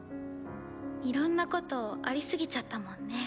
いろんなことあり過ぎちゃったもんね。